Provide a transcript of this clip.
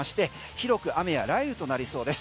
広く雨や雷雨となりそうです。